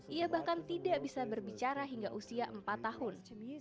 ia bahkan tidak bisa berbicara hingga usia empat tahun